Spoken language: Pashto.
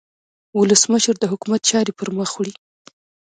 ولسمشر د حکومت چارې پرمخ وړي.